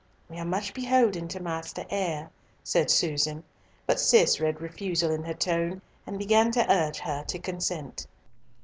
"We are much beholden to Master Eyre," said Susan, but Cis read refusal in her tone, and began to urge her to consent.